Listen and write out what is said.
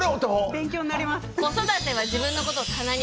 勉強なります。